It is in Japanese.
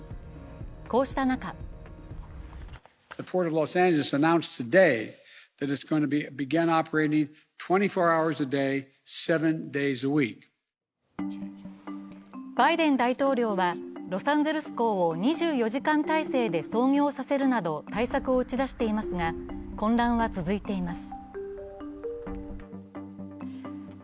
こうした中バイデン大統領はロサンゼルス港を２４時間体制で操業させるなど対策を打ち出していますが、混乱は続いています。